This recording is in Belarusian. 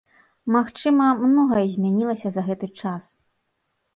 Магчыма, многае змянілася за гэты час.